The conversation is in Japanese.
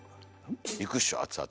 いくっしょ熱々。